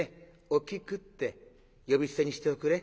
お菊って呼び捨てにしておくれ」。